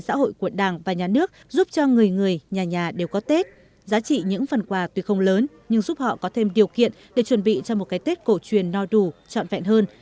xã hội của đảng và nhà nước giúp cho người người nhà nhà đều có tết giá trị những phần quà tuy không lớn nhưng giúp họ có thêm điều kiện để chuẩn bị cho một cái tết cổ truyền no đủ trọn vẹn hơn